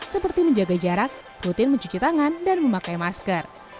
seperti menjaga jarak rutin mencuci tangan dan memakai masker